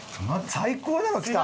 最高なのきた！